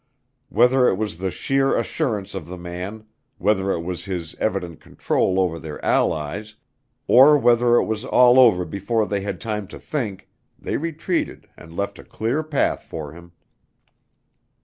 Whether it was the sheer assurance of the man, whether it was his evident control over their allies, or whether it was all over before they had time to think, they retreated and left a clear path for him.